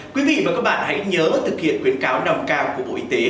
quý vị và các bạn hãy nhớ thực hiện khuyến cáo nào cao của bộ y tế